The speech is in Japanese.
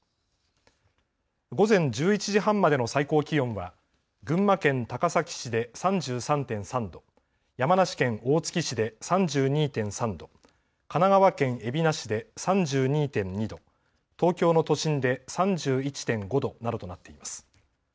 午前１１時半までの最高気温は群馬県高崎市で３３．３度、山梨県大月市で３２．３度、神奈川県海老名市で３２．２度、東京の都心で３１．５度などとなっています。